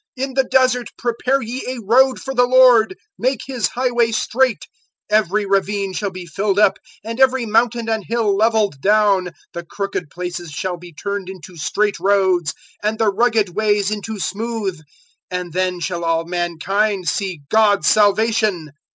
`In the Desert prepare ye a road for the Lord: make His highway straight. 003:005 Every ravine shall be filled up, and every mountain and hill levelled down, the crooked places shall be turned into straight roads, and the rugged ways into smooth; 003:006 and then shall all mankind see God's salvation.'"